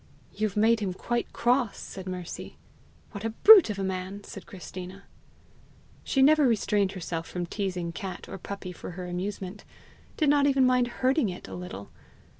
"You've made him quite cross!" said Mercy. "What a brute of a man!" said Christina. She never restrained herself from teasing cat or puppy for her amusement did not even mind hurting it a little.